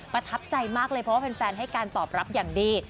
ประทับใจมากเลยเพราะว่าแฟนให้การตอบรับอย่างดี